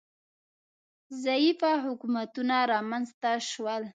ضعیفه حکومتونه رامنځ ته شول